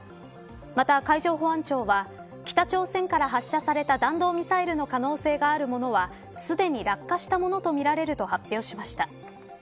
また、海上保安庁は北朝鮮から発射された弾道ミサイルの可能性があるものはすでに落下したものとみられると発表しました。